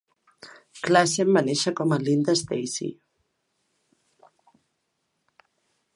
Klassen va néixer com a Linda Stacey.